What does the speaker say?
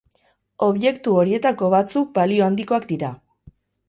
Objektu horietako batzuk balio handikoak dira.